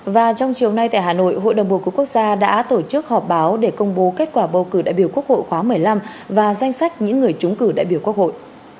và trong chiều nay tại hà nội hội đồng bầu cử quốc gia đã tổ chức họp báo để công bố kết quả bầu cử đại biểu quốc hội khóa một mươi năm và danh sách những người trúng cử đại biểu quốc hội